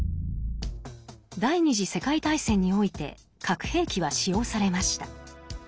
第二次世界大戦において核兵器は使用されました。